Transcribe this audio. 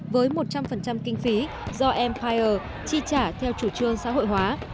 với một trăm linh kinh phí do mpierre chi trả theo chủ trương xã hội hóa